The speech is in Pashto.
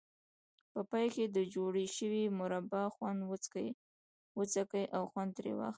په پای کې د جوړې شوې مربا خوند وڅکئ او خوند ترې واخلئ.